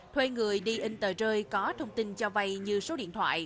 thuê người đi in tờ rơi có thông tin cho vay như số điện thoại